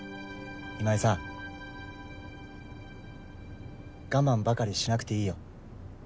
今井さん我慢ばかりしなくていいよ。